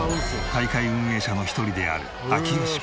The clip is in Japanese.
大会運営者の一人である明慶パパ。